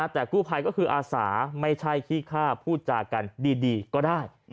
แต่กู้ภัยก็คืออาสาไม่ใช่ขี้ฆ่าพูดจากันดีก็ได้